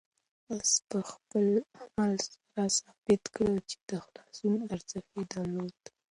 آس په خپل عمل سره ثابته کړه چې د خلاصون ارزښت یې درلود.